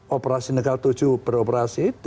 operasi negara tujuh beroperasi